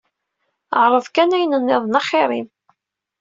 Ɛreḍ kan ayen nniḍen axir-im.